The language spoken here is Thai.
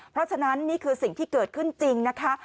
เพราะฉะนั้นนี่คือสิ่งที่เกิดขึ้นจริงนะคะ